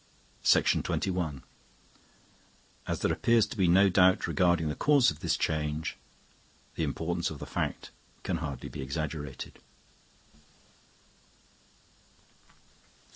As there appears to be no doubt regarding the cause of this change, the importance of the fact can hardly be exaggerated.